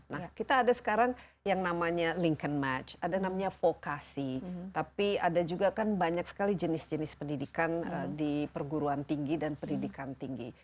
nah kita ada sekarang yang namanya lincon match ada namanya vokasi tapi ada juga kan banyak sekali jenis jenis pendidikan di perguruan tinggi dan pendidikan tinggi